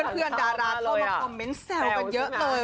เพื่อนดาราตก็มาคอมเมนต์แซวกันเยอะเลย